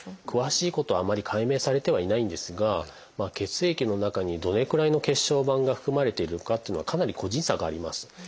詳しいことはあまり解明されてはいないんですが血液の中にどれくらいの血小板が含まれているかっていうのはかなり個人差があります。